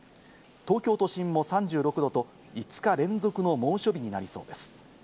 東京都心も３６度と５日連続の猛暑日になりそうです。